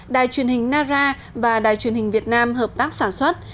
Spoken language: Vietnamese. đài truyền hình nara và đài truyền hình việt nam hợp tác sản xuất